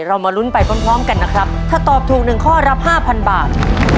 มาลุ้นไปพร้อมกันนะครับถ้าตอบถูกหนึ่งข้อรับ๕๐๐บาท